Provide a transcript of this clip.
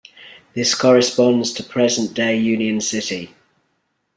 This corresponds to present day Union City.